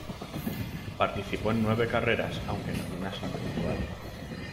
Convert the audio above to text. Participó en nueve carreras, aunque ninguna sin puntuar.